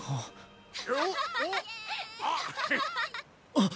あっ！